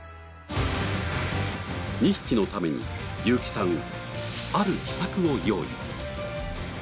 ２匹のためにユーキさんある秘策を用意。